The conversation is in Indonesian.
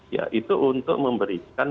ya itu untuk memberikan